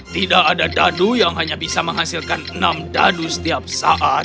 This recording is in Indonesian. tidak ada dadu yang hanya bisa menghasilkan enam dadu setiap saat